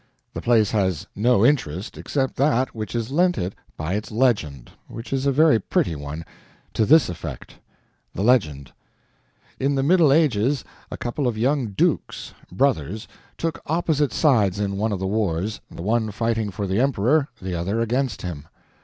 The place has no interest except that which is lent it by its legend, which is a very pretty one to this effect: THE LEGEND In the Middle Ages, a couple of young dukes, brothers, took opposite sides in one of the wars, the one fighting for the Emperor, the other against him.